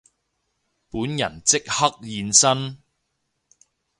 本人即刻現身